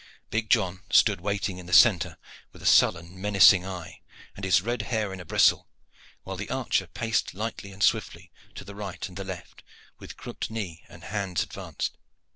Big John stood waiting in the centre with a sullen, menacing eye, and his red hair in a bristle, while the archer paced lightly and swiftly to the right and the left with crooked knee and hands advanced.